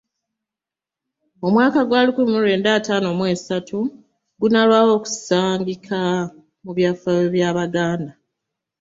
Omwaka gwa lukumi mu lwenda ataano mu esatu gunaalwawo okusanguka mu byafaayo by’Abaganda.